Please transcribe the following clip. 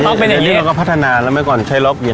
ใช้อีต็อกและอีต็อกอีต็อกแบบนี้